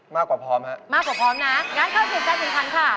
มากกว่าพร้อมครับมากกว่าพร้อมนะงั้นเข้าถึงแสดงคันค่ะ